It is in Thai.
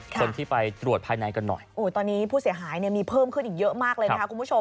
คนที่ไปตรวจภายในกันหน่อยโอ้ตอนนี้ผู้เสียหายเนี่ยมีเพิ่มขึ้นอีกเยอะมากเลยนะคะคุณผู้ชม